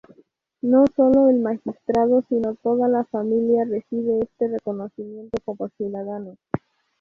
No solo el magistrado sino toda la familia recibe este reconocimiento como ciudadano.